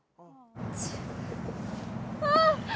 あっ！